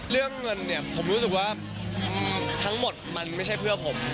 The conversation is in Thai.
เรื่องเงินเนี่ยผมรู้สึกว่าทั้งหมดมันไม่ใช่เพื่อผม